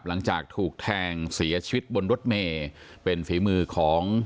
หลังจากถูกแทงเสียชีวิตบนรถเมย์เป็นฝีมือของ